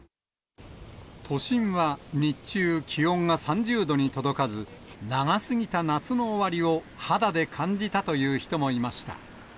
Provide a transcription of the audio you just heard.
都心は日中、気温が３０度に届かず、長すぎた夏の終わりを肌で感じたという人もいました。